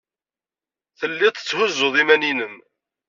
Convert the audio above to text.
Telliḍ tetthuzzuḍ iman-nnem.